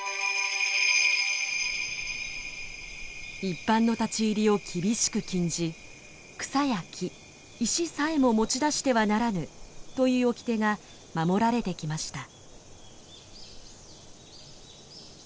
一般の立ち入りを厳しく禁じ草や木石さえも持ち出してはならぬという掟が守られてきました。